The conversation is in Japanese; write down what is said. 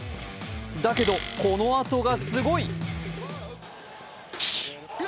だけど、このあとがすごい！